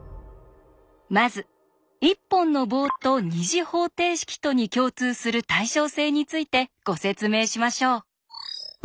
まず一本の棒と２次方程式とに共通する対称性についてご説明しましょう。